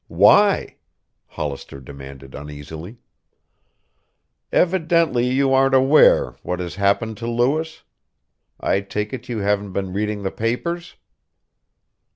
"Why?" Hollister demanded uneasily. "Evidently you aren't aware what has happened to Lewis? I take it you haven't been reading the papers?"